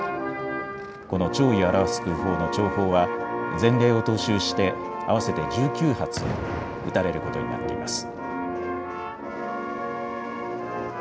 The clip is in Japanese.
この弔意を表す空砲の弔砲は、前例を踏襲して、合わせて１９発打たれることになっています。